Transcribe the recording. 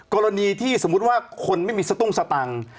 กรณีที่สมมุติว่าคนไม่มีสตุ้งสตังค์